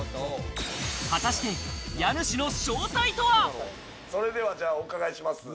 果たして家主の正体とは？それでは、じゃあお伺いします。